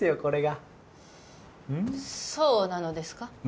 これがうんそうなのですか？